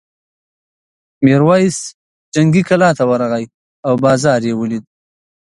میرويس جنګي کلا ته ورغی او بازار یې ولید.